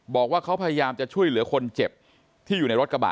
บอกว่าเขาพยายามจะช่วยเหลือคนเจ็บที่อยู่ในรถกระบะ